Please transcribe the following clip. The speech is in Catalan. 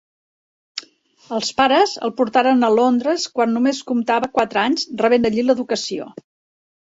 Els pares el portaren a Londres quan només contava quatre anys, rebent allí l'educació.